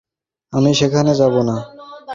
আমি তোমাকে ভালোবাসি বলিয়া, শ্রদ্ধা করি বলিয়া।